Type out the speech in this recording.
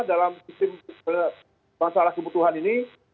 dalam sistem masalah kebutuhan ini